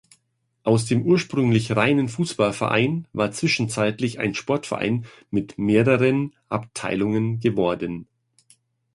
Aus dem ursprünglich reinen Fußballverein war zwischenzeitlich ein Sportverein mit mehreren Abteilungen geworden.